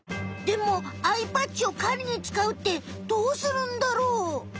でもアイパッチを狩りに使うってどうするんだろう？